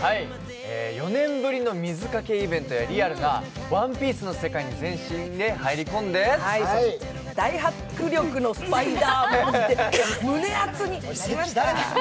４年ぶりの水かけイベントやリアルな「ＯＮＥＰＩＥＣＥ」の世界に全身で入り込んで大迫力のスパイダーマンで胸アツになりました。